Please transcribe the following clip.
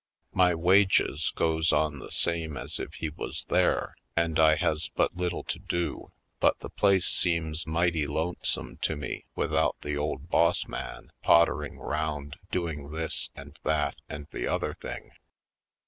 My wages goes on the same as if he was there, and I has but little to do, but the place seems mighty lonesome to me without the old boss man pottering 'round doing this and that and the other thing.